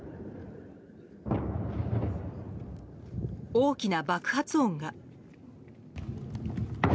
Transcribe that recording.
大きな爆発音が。